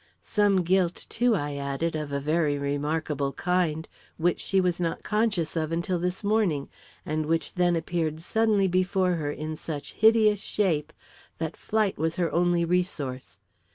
"Some guilt, too," I added, "of a very remarkable kind, which she was not conscious of until this morning, and which then appeared suddenly before her in such hideous shape that flight was her only resource.